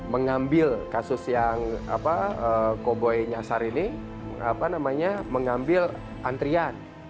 mengambil kasus yang koboi nyasar ini mengambil antrian